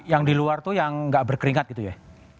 yang di luar itu yang gak berkeringat gitu ya